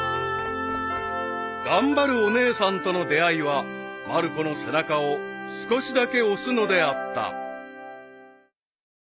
［頑張るお姉さんとの出会いはまる子の背中を少しだけ押すのであった］